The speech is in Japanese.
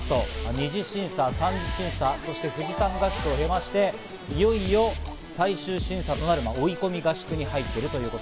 ２次審査、３次審査、そして富士山合宿を経ましていよいよ最終審査となる追い込み合宿に入っているというところ。